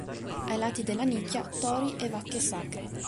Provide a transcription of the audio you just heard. Ai lati della nicchia, tori e vacche sacre.